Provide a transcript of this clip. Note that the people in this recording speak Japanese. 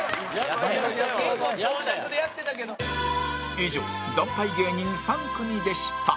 以上惨敗芸人３組でした